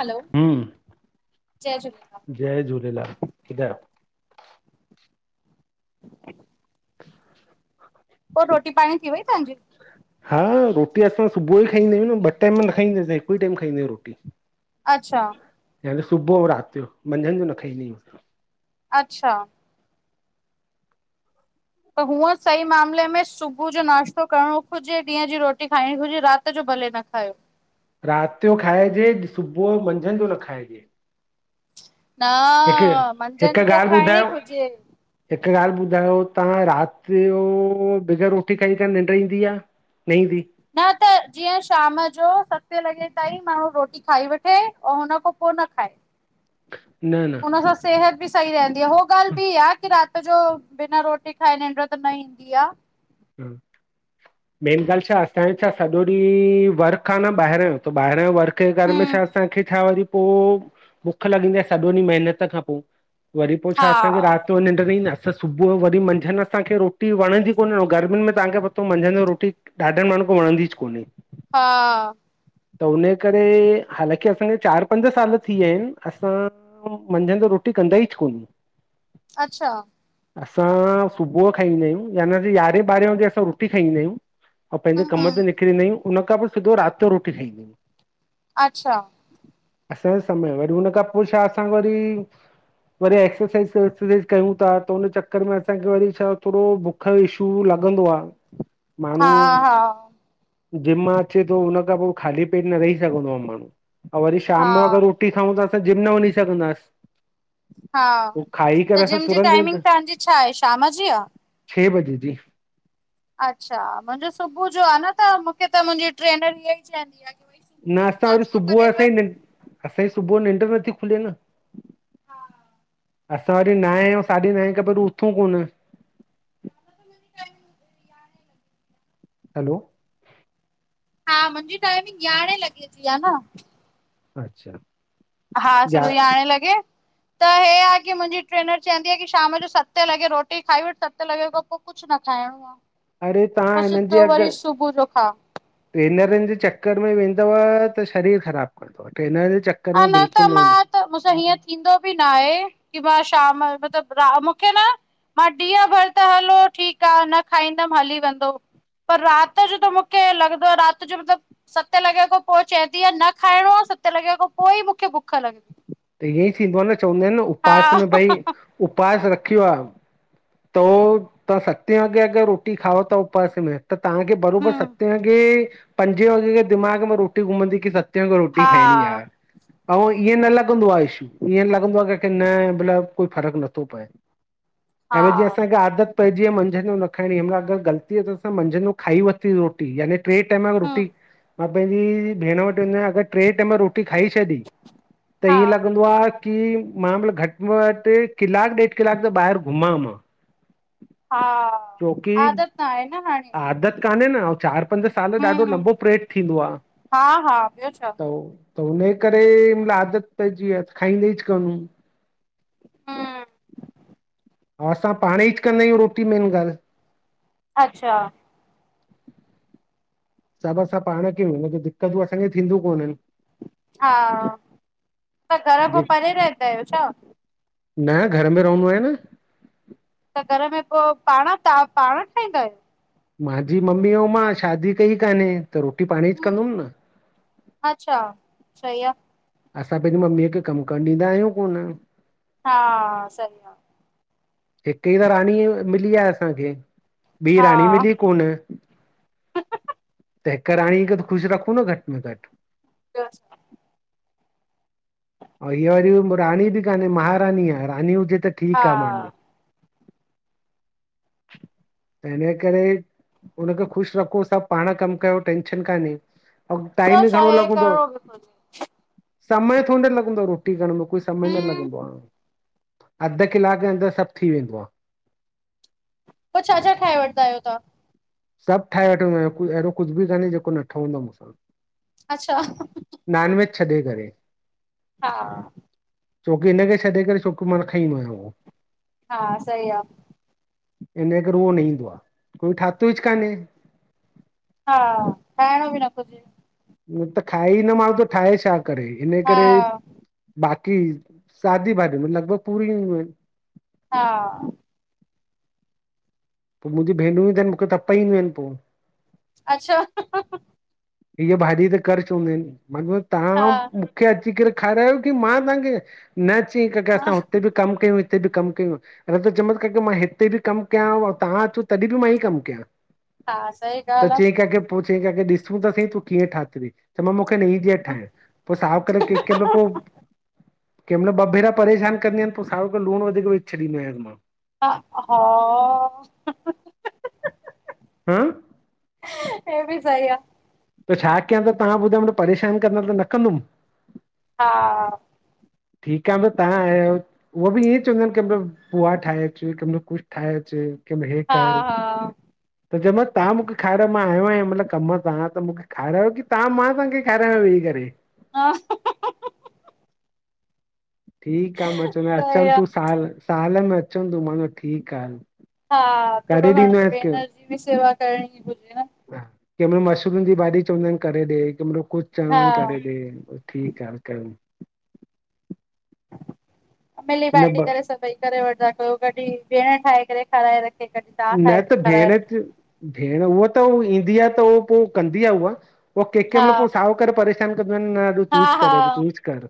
हलो, जय झूलेलाल, जय झूलेलाल [inaudible] [inaudible] पो रोटी पाणी थी वई तव्हांजी? हा रोटी असां सुबुह ई खाईंदा आहियूं न, ॿ टाइम न खाईंदा आहिस हिकु ई टाइम खाईंदा आहियूं रोटी अच्छा या त सुबुह और रात जो, मंझंद जो न खाईंदा आहियूं असां अच्छा त हुअं सही मामले में सुबुह जो नाश्तो करणो घुर्जे ॾींहं जी रोटी खाइणी घुर्जे राति जो भले न खायो रात जो खाइजे सुबुह औं मंझंद जो न खाइजे हिकु न मंझंद जो खाइण ई घुर्जे हिक ॻाल्हि ॿुधायो तव्हां राति जो बिगर रोटी खाई करे निंड ईंदी आ? न ईंदी न त जीअं शाम जो सतें लॻे ताईं माण्हू रोटी खाई वठे औं हुन खां पो न खाए न हुन सां सेहत बि सही रहंदी आ हो ॻाल्ह बि आ कि रात रात जो बिना रोटी खाए निंड्र त न ईंदी आ [unintelligible] मेन ॻाल्ह छा असांजो छा सॼो ॾींहु वर्क आ न ॿाहिर त ॿाहिर जो वर्क घर में हम्म, छा असांखे छा वरी पो भुख लॻंदी आ सॼो ॾींह मेहनत खां पो वरी पो हा, छा असांखे रात जो निंड नआई न असां सुबुह जो वरी मंझंद असांखे रोटी वणंदी कोन गर्मियुन में तव्हांखे पतो मंझंद जो रोटी ॾाढन माण्हुनि खे वंड़दीज कोन्हे हा त हुन करे हालांकी असांखे चार पंज साल थी विया आहिनि असां मंझंदि रोटी कंदा ईच कोन अच्छा असां सुबुह खाईंदा आहियूं या न यारहें ॿारहें वजे असां रोटी खाईंदा आहियूं ऐं पंहिंजे हम्म, कम हम्म, ते निकिरींदा आहियूं उन खां पोइ सिधो राति जो रोटी खाईंदा आहियूं। अच्छा असांजे समय वरी हुन खां पोइ छा असां वरी वरी एक्सरसाइज़ [unintelligible] कयूं था त उन चक्कर में असांखे वरी छा थोरो बुख इशू लगंदो आ। हा हा जिम मां अचे थो हुन्न खां पोइ ख़ाली पेट न रही सघंदो आ माण्हू ऐं वरी हा शाम जो अगरि रोटी खाऊं त असां जिम न वञी सघंदास। हा त जिम जी टाइमिंग वेंदा तव्हांजी छा आहे? शाम जी आ? छह बजे जी अच्छा मुंहिंजो सुबुह जो आहे न त मूंखे त मुंहिंजी ट्रेनर ईअं ई चवंदी आहे की भई सुबुह न जो तूं असां वरी नाश्तो सुबुह करे असांजी वठ नि असांजी सुबुह जो निंड नथी खुले न हा असां वरी नाय साढी नाए खां पहिरीं उथूं कोन त हलो, हा, मुंहिंजी टाइमिंग यारहें लॻे जी आहे न अच्छा हा या सुबुह यारह लॻे त हे आहे की मुंहिंजी ट्रेनर चवंदी आहे की शाम जो सते लॻे रोटी खाई वठ सते लॻे खां पोइ कुछ न खाइणो आ। अरे पो तव्हां हिननि जे सिधो अॻ वरी सुबुह जो खा ट्रेनरनि जे चक्कर में [unintelligible] शरीर ख़राब [unintelligible] टेनर अञा त मां त मूंसां हीअं थींदो बि न आहे की मां शाम [unintelligible] मूंखे न मां ॾींह भर त हलो ठीकु आ न खाईंदम हली वेंदो पर रात जो त मूंखे लॻदो आहे राति जो मतिलबु सते लॻे खां पोइ चवंदी आहे न खाइणो आ सत लॻे खां पोइ मूंखे बुख लॻंदी त ईअं ई थींदो आ न चवंदा आहिनि न हा उपवास में भई उपवास रखियो आ। त तव्हां सते वॻे अगर रोटी खाओ था उपवास में त तव्हांखे बरोबर हूं सते वॻे पंजे वॻे दिमाग में रोटी घुमंदी की सत रोटी हा खाइणी यार ऐं ईअं न लॻंदो आहे [unintelligible] ईअं लॻंदो आहे की न भला कोई फ़र्क नथो पए ऐं हा वरी जीअं असांखे आदत पर जींय मंझंन जो न खाइणी आ, हिनमल अगरि ग़लतीअ सां असांं मंझन जो खाई वरिती रोटी यानी ट्रे टाइम हूं रोटी मां पंहिंजी भेण वटि वेंदो आहियां अगरि ट्रे टैम रोटी रोटी खाई छॾी त हा ही लॻंदो आ कि मां मतलब घटि में घटि किलाकु ॾेढ किलाकु त ॿाहिरि घुमां मां। हां, छोकी आदत ना आए न। हाणे आदत कान्हे न अउ चार पंज साल ॾाढो हूं लंबो प्रेड थींदो आ, हा हा ॿियो छा तो त हुन ए करे, आदत पइजी वई आ त खाईंदा इच कोन् हू। हूं। हा असां पाणइच कंदा आहियूं रोटी मेन ॻाल्हि। अच्छा। सभ असां पाण कयूं त दिक्क़तयूं असांखे थींदियू कोनन हा त घर जे खां परे रहिन्दा आयो छा? न घर में रहन्दो आयां न त घर में पो पाण तां पाण ठाहींदा आयो मांजी मम्मी अऊं मां शादी कई काने त रोटी पांण ई आहियो? कंदुम न सई आ असां पंहिंजी मम्मीअ खे कम करण ॾींदा आहियूं कोन हा सही हिक ई त राणी मिली आ असांखे ॿी हा राणी मिली कोन त हिक राणी खे ख़ुश रखूं न घट मे घट [unintelligible] अउ हीअ वरी म राणी बि कान्हे महारानी आ रानी हुजे त हा ठीक आ माण्हूं [inaudible] त हिन ॼे करे उनखे ख़ुशि रखो सभु पाण कमु कयो टेंशन कान्हे। अऊं टाइम ॿियो ॿि छा घणों हे लॻंदो। करिणो बि घुरिजे। समय थोरी न लॻंदो आ रोटी करण में कोई समय न हम्म, लॻंदो आ। अध किलाक जे अंदरि सभु थी वेंदो आ। पो छा छा ठाहे वठदा आहियो तहां? सभु ठाहे वठंदा आहियां कु अहिड़ो कुझु बि कान्हे जेको न ठहंदो आ मुसां। अच्छा छॾे करे हा छोकी हिन खे छॾे करे छोक मां न खाईंदो आहियां उहो हा सई आ। इन ए करे उहो न ईंदो आहे कोई ठाक हा ठाहिणो बि न थो थे। न त खाए ई न माल त ठाहे छा करे हिन ए हा करे की सादी भाॼी में लॻभॻ पूरी हा पोइ मुंहिंजी भेनरूं ई थन आहिनि मूंखे तपाईंदियूं आहिनि पोइ अच्छा हीअ भाॼी त कर्च हूंंदा आहिनि म हा तव्हां मूंखे अची करे खारायो की मां तव्हांखे न चई कि हा असां हुते बि कम कयूं हिते बि कमु कयूं न त चमत क की मां हिते बि कमु कयां तव्हां अचो तॾहिं बि मां ई कमु कयां? हा सही ॻाल्हि आ। ॾूं त स त कीअ ठात त नई दर ठाहे पोइ साफ़ करे कंहिं क पो कंहिं महिल ॿ भेरा परेशान कंदी आहिनि पोइ सा खे लूणु वधीक वि छॾींदी आहि मां। ह हा हम हे बि सही आहे। त छा कयां त तव्हां ॿुधायो, परेशान कंदा त न कंदुमि हा ठीकु आहे तव्हां उहो बि ईअं चवंदा आहिनि की मतलब पुआ ठाहेच कम जो कुझ ठाहेच कम हे हा कर हा [unintelligible] तव्हां मूंखे खारायो मां आयो आहियां मतलबु कमु त त मूंखे खारायो की तव्हां मां तव्हांखे खारायां, वेही करे हा ठीकु आ मां चवंद सही अचनि आ। तूं साल साल में अचनि तूं माना ठीकु आ। हा थोरो घणो त भेनर जी बि सेवा करणी हुजे ह कंहिं महिल मशरूम जी भाॼी चवंदा आहिनि करे ॾे कंहिंमरो कुझ च हा करेॾे ठीकु आहे क मिली हिन बाटी ब करे सभई करे वठंदा कयो, कॾहिं भेण ठाहे करे खाराए रख न त भेण भेण हूहा त ईंदी आहे त उ पोइ कंदी आहे उहा। उ के हा केम प पोइ साहकारी प न एॾो हा तूच हा कर ॾ तूच कर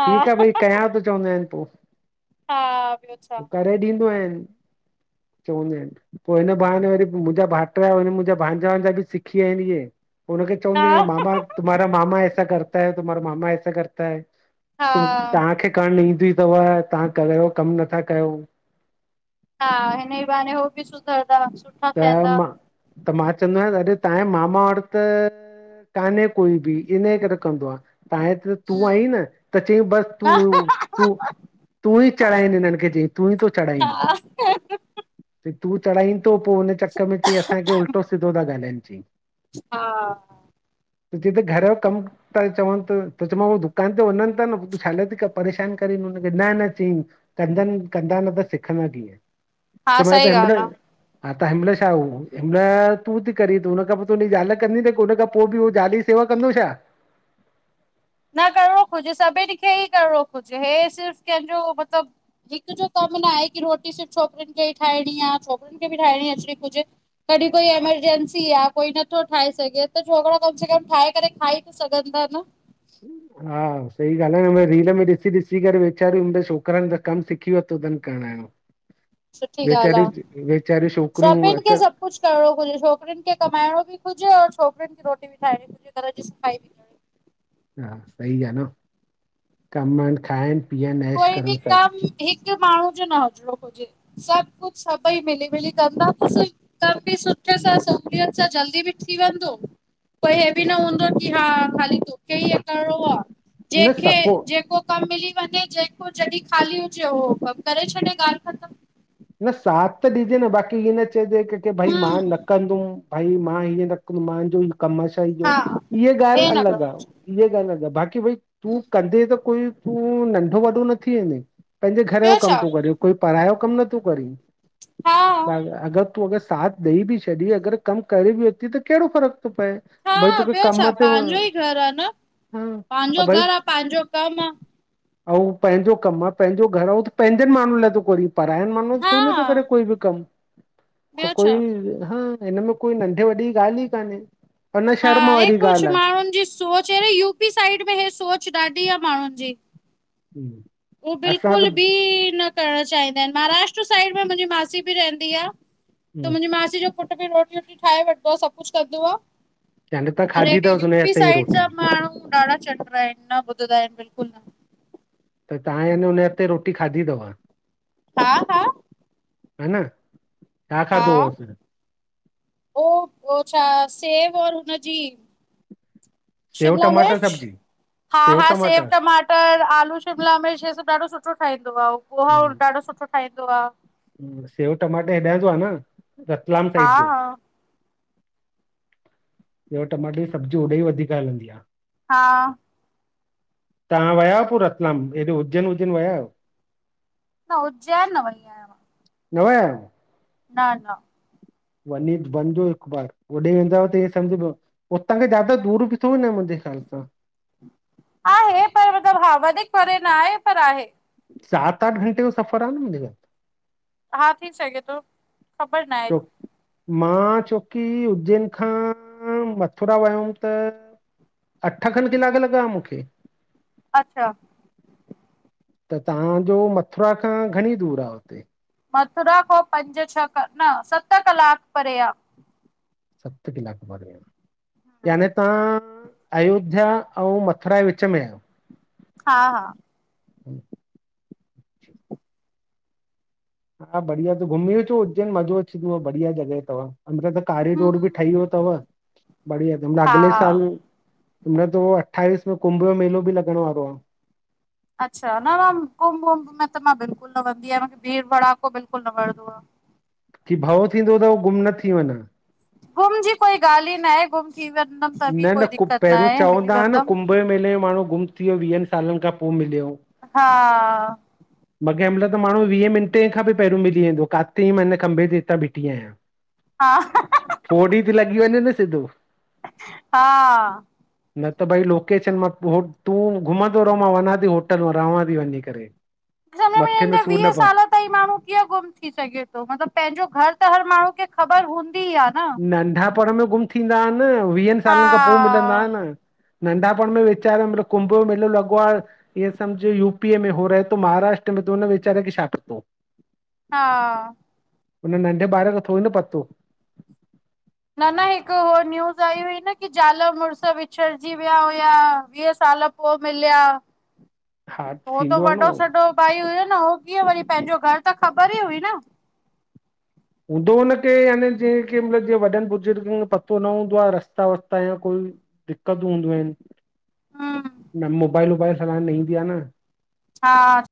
हा ठीकु आहे भई कयां त चवंदा आहिनि पो हा ॿियो छा करे ॾींदो आहिनि। चवंदी आहिनि पोइ हिन बहाने वरी मुंहिंजा भाइट हुन मुंहिंजा बांजा भांजा बि सिखीिया आहिनि इहे। हुननखे चऊूंंद हा न मामा तुम्हार मामा सा करतै तुमारा मामा ऐसा करतै। हा त तव्हांखे करण ईंदी अथव तव्हां कहिड़ो कम नथा कयो। हा हिन न ई ब हो बि सु त मां त मां चवंदो आहिन तव्हांजे मामा वर त कान्हे कोई बि इनजे करे कंदो आ। त आहे त तूं हम्म, आई न त चई बस हा तूं तूं तूं ई चढ़ाईनि हिननि खे चई तूं ई थो हा चढ़ाईनि। तू चढ़ाईं थो पोइ हुनन चक में चयईं, असांखे उल्टो सिधो था ॻाल्हाइनि चयईं। हा। त जिते घर जो कमु था चवनि त त चां दुकान ते वञनि था न तूं छाले ती परेशान करे? न न चईं, कंदनि कंदा न त सिखंदा कीअं। हा चयोमांसि सई त हिनमहिल कवाल। हा त हिमहिल छा हू हिमहिल तूं थी कर हुन खां ज़ाल थियो? कंदु छा? न करणो घुरजे सभिनि खे ई करिणो घुरजे, हे सिर्फ़ कंहिंजो मतलबु हिकु जो कमु। में न आहेी रोटी सिर्फ़ छोकिरन खे ई ठाहिणी आहे छोकिरनि खे बि ठाहिणी अच कुझु। कॾहिं कोई एमरजंसी आ कोई नथो ठाहे सघे त छोकरा कम से कम ठाहे करे खाई त सघंदा न। हा सही ॻाल्हि आहे, रील में ॾिसी ॾिसी करे वेचारियूं छोकिरनि त कमु सिखी वरितोूंन। यण सुठी ॻाल्हि वेचारी आ वेचा सभिनि खे सभु कुझ करणो खुजे, छोकरिन कमाइणो बि खुजे और छोकिरिन खे रोटी ठण घर जी साई बि करणी हा सही आहे न कमनि खाइणु कोई बि कम हिकु माण्हू कुझ सभी बिठ सां हीरो छा जल्दी थी वेंदो पो हे बि न हूंदो कि हा खाली तोखे ई कड़ो अं न सपो जेको कम मिली वञे ॾहिं ख़ाली हुजे करे छॾेाल्हि ख़तम। न साथ त ॾिजे न बाकि ही न चयजे कें खे भाई मां हम्म न कंदुम भई मां हीअं रखंदुमि मांजो कमु आ ई सॼो हा इअ ॻाल्हि हे न अलग करो आ इअ ॻाल्हि अलग आ। की भई तूं कंदे त कोई तूं नंढो वॾो न थी वेंदे। पंहिंजे घर जो ॿियो कम छा थोूं करी, कई पढ़ाइ जो कमु नथूं करी। हा तूं अगरि साथ ॾेई बि छॾी अगरि कमु करे बि वती त कहिड़ो फ़र्कु? पए हा भई तूंखे कम मां ते हा पांजो भई घर आ पांजो कम आ। ऐं हू पंहिंजो कम आ पंहिंजो घर आ हू पंहिंजनि माण्हू लाइ त थो कोरी पा ॿायरो माण्हू आ हा कोन थो करे कोई बि कम त ॿियो कोई छा। हा त हिनमें कोई नंढे वॾे जी ॻाल्हि ई कान्हे पर न हा शर्म हे वारी कुछ ॻाल्हि माण्हुनि जी सोच अहिड़े यूपी साइड में हे सोच ॾा ढी आ माण्हुनि जी। आहे हो असां बिल्कुल त बि न करण चाहींदा आहिन महाराष्ट्र साइड में मुंहिंजी मासी रहंदी आ त मुंजी मासी जो पुट बि रोटी वोटी ठाहे वठदो आ सभु कुछ कंदो आ। चन अरे हेॾी यूपी साइड जा माण्हू ॾाढा चंडरा आहिन न ॿुधंदा आहिन बिलकुल न त तव्हां हेन हुनजे हिते रोटी खाधी थव हा हा हेन हा हो हो छा सेव ओर हुन जी सेऊं टमाटर सब्जी हा हा सेव टमाटर आलू शिमला मिर्च हे सभु ॾाढो सु सुठो ठहींदो आ पोहा ॾाढो सुठो ठाहींदो आ। सेव टमाटा हेॾां जो आ न रतलाम हा साइड जो। हा सेव टमाटे जी सब्जी होॾे ई वधीक हलंदी आ। हा तव्हां विया आयो पो रतलाम हेॾो उज्जैन उज्जैन विया आहियो? न उज्जैन न वई आयां मां। न वया आयो न न वञी वञिजो हिकु बार होॾे वेंदा त ही सम्झझो हुतां खां ज्यादा दूर बि थो न मुंहिंजे ख्याल सां आहे पर मतिलब हा वधीक परे न आहे पर आहे। सत आठ घंटे जो सफ़र आ न हुनजो। हा थी सघे थो ख़बर न आहे। छो मां छोकी उज्जैन खां मथुरा वियो हुअम त अठ खनि कलाक लॻा मूंखे अच्छा त तव्हां जो मथुरा खां घणी दूरि आ? मथुरा खां पंज छह न सत कलाक परे आ। सत कलाक परे आ। याने तव्हां अयोध्या अऊं मथुरा जे विच में आहियो हा हा हूं हा बढ़िया त घुमी अचो उज्जैन मज़ो अचींदो बढ़िया जॻहि अथव अंदर त हम कारीडोर बि ठही वियो थव। बढ़िया त म हा अगले साल न त पो अठावीस में कुंभ जो मेलो बि लॻण वारो आ। अच्छा न न कुंभ वुंभ में त मां बिल्कुल न वेंदी आहियां मूंखे भीड़ भड़ाको बिल्कुल न वणंदो आ। की भउ थींदो थव गुम न थी वञा। गुम जी कोई ॻाल ई नाहे गुम थी वेंदमि त बि न न कोई कु दिक़त पहिरियों आहे मिली चवंदा हुआ न वेंदमि कुंभ मेले जो माण्हू गुम थी वियो वीहनि सालनि खां पो मिलियो हा ब कें मेल माण्हू वीह मिंटे खां बि पहिरियों मिली वेंदो काथे मां हिन खंबे ते हितां बीठी आहियां। हा फोर डी ते लॻी वञे न सिधो हा न त भई लोकेशन मां तूं घुमंदो रहो मां वञा थी होटल मां रवां थी वञी करे। सम्झ में न मथे ईंदो आ सूर वीह न पए साल ताईं माण्हू कीअं गुम थी सघे थो मतलब पंहिंजो घर त हर माण्हू खे ख़बर हूंदी। आ न नंढापण में गुम थींदा आहिन वीहनि हा सालनि खां पोइ मिलंदा आन नंढापण में वेचारो मलब कुंभ मेलो लॻो आ ईअ सम्झ यूपी में हो रह थो महाराष्ट्र में त हुन वेहारे के छा पतो हा हुन नंढे ॿार खे थोङी न पतो न न हिकु हो न्यूज़ आई हुई न कि ज़ाल मुड़ुस विछङ जी विया हुया वीह साल साल पो मिलिया हा हो त थींदो आ न वॾो उहो सॾो भई हुयो न हो कीअं वरी पंहिंजो घर त ख़बर ई हुई न हूंदो हुनखे यानि जें के मतलब जीअं वॾनि बुर्जुर्गनि खे पतो न हूंदो आ रस्ता वस्ता या कोई दि दिकतूं हूंदियूं आहिनि हम्म न मोबाइल वोबाइल हलाएण न ईंदी आहे न हा